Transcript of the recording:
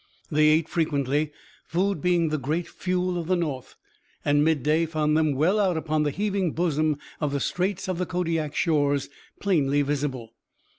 They ate frequently, food being the great fuel of the North, and midday found them well out upon the heaving bosom of the Straits with the Kodiak shores plainly visible.